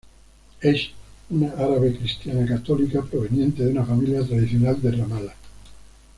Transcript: Es una árabe cristiana católica, proveniente de una familia tradicional de Ramala.